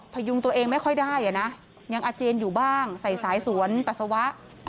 พยุงตัวเองไม่ค่อยได้นะยังอาเจียนอยู่บ้างใส่สายสวนปัสสาวะ